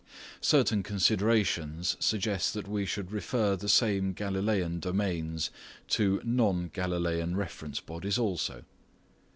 Certain considerations suggest that we should refer the same Galileian domains to non Galileian reference bodies also.